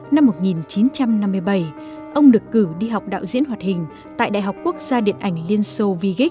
năm một nghìn chín trăm năm mươi bảy ông được cử đi học đạo diễn hoạt hình tại đại học quốc gia điện ảnh liên xô vige